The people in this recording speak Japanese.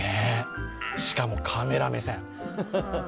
しかも、カメラ目線。